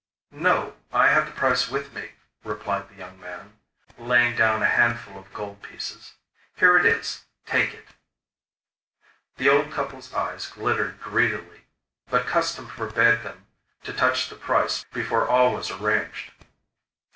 'No; I have the price with me,' replied the young man; laying down a handful of gold pieces. 'Here it is take it.' The old couple's eyes glittered greedily; but custom forbade them to touch the price before all was arranged.